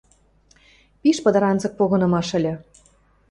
Пиш пыдыранзык погынымаш ыльы.